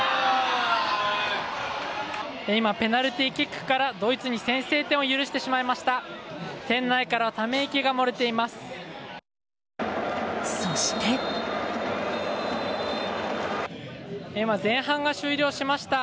今、ペナルティーキックからドイツに先制点を許してしまいました。